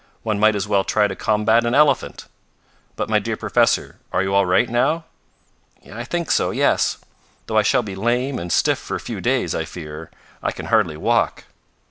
one might as well try to combat an elephant! But, my dear professor, are you all right now?" "I think so yes. Though I shall be lame and stiff for a few days, I fear. I can hardly walk."